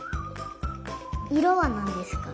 いろはなんですか？